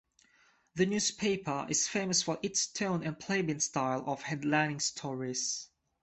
The newspaper is famous for its tone and plebeian style of headlining stories.